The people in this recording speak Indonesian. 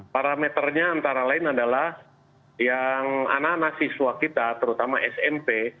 parameternya antara lain adalah yang anak anak siswa kita terutama smp